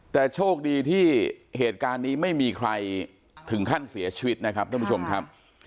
แต่โชคดีที่เหตุการณ์นี้ไม่มีใครถึงขั้นเสียชีวิตนะครับท่านผู้ชมครับ